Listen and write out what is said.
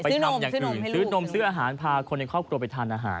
ซื้อโน้มซื้ออาหารพาคนในครอบครัวไปทานอาหาร